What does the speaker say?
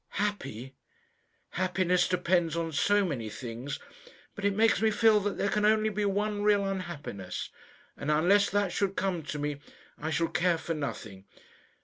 "Happy! Happiness depends on so many things. But it makes me feel that there can only be one real unhappiness; and unless that should come to me, I shall care for nothing.